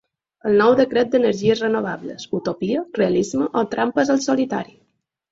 El nou decret d’energies renovables: utopia, realisme o trampes al solitari?